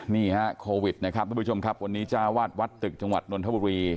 นี่ฮะโควิดนะครับทุกผู้ชมครับวันนี้จ้าวาดวัดตึกจังหวัดนนทบุรี